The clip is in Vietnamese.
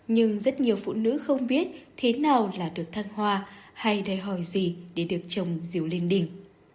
nhưng rất nhiều phụ nữ không biết thế nào là được thăng hoa hay đòi hỏi gì để được chồng dìu lên đỉnh